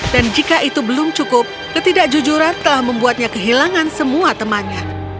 dan jika itu belum cukup ketidakjujuran telah membuatnya kehilangan semua temannya